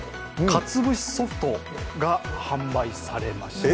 かつぶしソフトが販売されました。